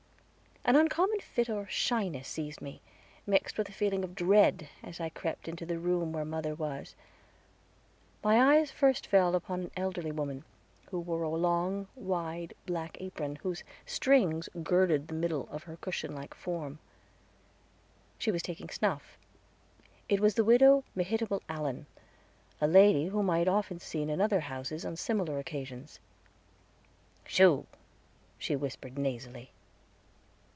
An uncommon fit or shyness seized me, mixed with a feeling of dread, as I crept into the room where mother was. My eyes first fell upon an elderly woman, who wore a long, wide, black apron, whose strings girded the middle of her cushion like form. She was taking snuff. It was the widow Mehitable Allen, a lady whom I had often seen in other houses on similar occasions. "Shoo," she whispered nasally.